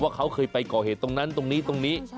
เขาเคยไปก่อเหตุตรงนั้นตรงนี้ตรงนี้